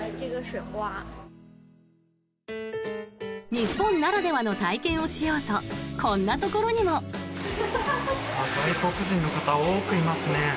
日本ならではの体験をしようとこんなところにも。外国人の方、多くいますね。